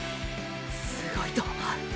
すごいと思う。